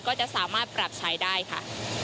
ก็จะสามารถปรับใช้ได้ค่ะ